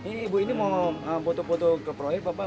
ini ibu ini mau foto foto ke proyek bapak